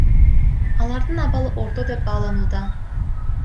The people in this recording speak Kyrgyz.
Алардын абалы орто деп бааланууда.